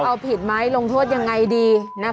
เอาผิดไหมลงโทษยังไงดี